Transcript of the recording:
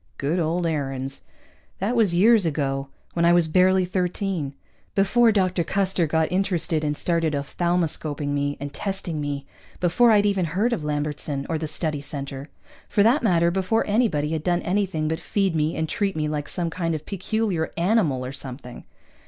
_ Good old Aarons. That was years ago, when I was barely thirteen. Before Dr. Custer got interested and started ophthalmoscoping me and testing me, before I'd ever heard of Lambertson or the Study Center. For that matter, before anybody had done anything but feed me and treat me like some kind of peculiar animal or something.